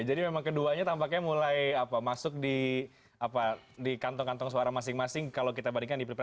jadi memang keduanya tampaknya mulai apa masuk di apa di kantong kantong suara masing masing kalau kita bandingkan di pripres dua ribu empat belas